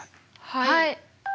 はい。